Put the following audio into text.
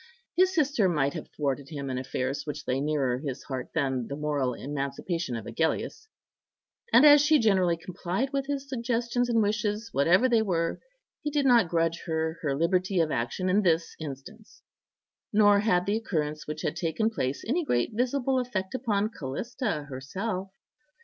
His sister might have thwarted him in affairs which lay nearer his heart than the moral emancipation of Agellius; and as she generally complied with his suggestions and wishes, whatever they were, he did not grudge her her liberty of action in this instance. Nor had the occurrence which had taken place any great visible effect upon Callista herself.